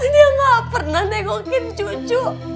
dia gak pernah nengokin cucu